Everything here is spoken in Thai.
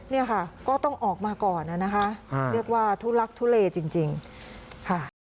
เนี่ยค่ะก็ต้องออกมาก่อนนะคะเรียกว่าทุลักทุเลจริงค่ะ